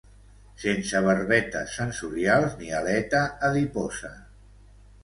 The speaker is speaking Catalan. Sense barbetes sensorials ni aleta adiposa.